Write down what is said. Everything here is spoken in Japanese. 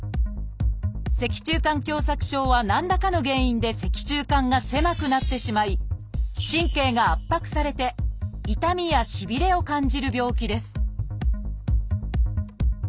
「脊柱管狭窄症」は何らかの原因で脊柱管が狭くなってしまい神経が圧迫されて痛みやしびれを感じる病気です